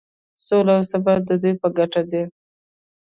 سوله او ثبات د دوی په ګټه دی.